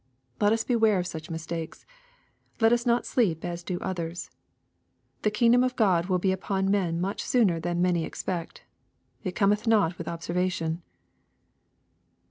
Let us beware of such mistakes. Let us not sleep as do others. The kingdom of God will be upon men much sooner than many expect. " It cometh not with observation."